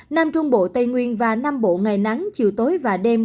nam trung bộ tây nguyên và nam bộ ngày nắng chiều tối và đêm